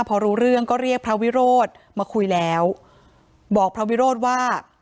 พอรู้เรื่องก็เรียกพระวิโรธมาคุยแล้วบอกพระวิโรธว่า